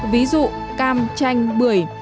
ví dụ cam chanh bưởi